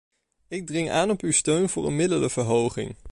Ik dring aan op uw steun voor een middelenverhoging.